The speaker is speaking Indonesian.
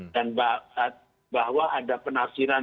dan bahwa ada penafsiran